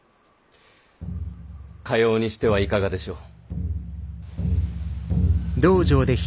かようにしてはいかがでしょう。